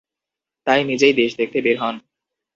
তাই নিজেই দেশ দেখতে বের হন।